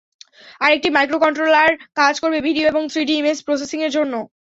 আরেকটি microcontroller কাজ করবে ভিডিও এবং থ্রিডি ইমেজ প্রসেসিংয়ের জন্য।